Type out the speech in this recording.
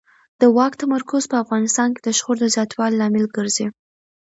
د واک تمرکز په افغانستان کې د شخړو د زیاتوالي لامل ګرځي